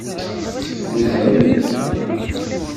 Teffudem.